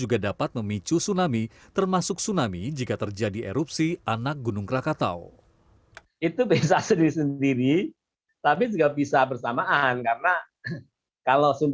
dan dapat memicu tsunami termasuk tsunami jika terjadi erupsi anak gunung krakatau